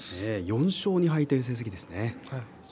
４勝２敗という成績ですね。